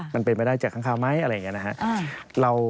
มันเป็นไปได้จากครั้งค้าไหมอะไรอย่างนี้นะฮะ